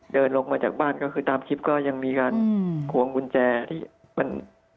เดินลงมาจากบ้านก็คือตามคลิปก็ยังมีการควงกุญแจที่มัน